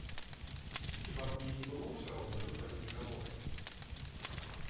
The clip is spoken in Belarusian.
Хіба б мне не было ўсё роўна, што пра мяне гавораць?